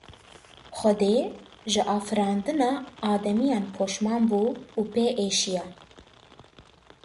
Xwedê ji afirandina ademiyan poşman bû û pê êşiya.